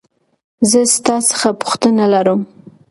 زه ستا څخه پوښتنه لرمه .